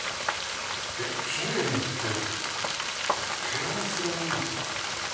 ジュエリーって手編みするものなんですか？